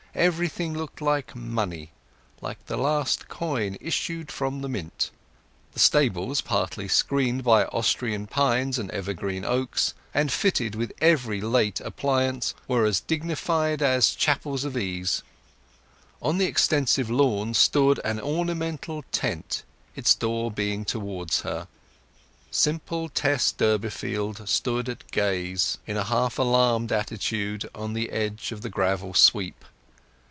Everything looked like money—like the last coin issued from the Mint. The stables, partly screened by Austrian pines and evergreen oaks, and fitted with every late appliance, were as dignified as Chapels of Ease. On the extensive lawn stood an ornamental tent, its door being towards her. Simple Tess Durbeyfield stood at gaze, in a half alarmed attitude, on the edge of the gravel sweep.